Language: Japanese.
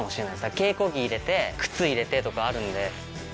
稽古着入れて靴入れてとかあるんで。